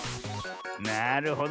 なるほど。